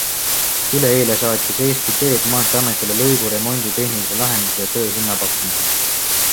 Üleeile saatis Eesti Teed maanteeametile lõigu remondi tehnilise lahenduse ja töö hinnapakkumise.